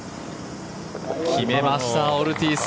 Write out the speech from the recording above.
決めました、オルティーズ。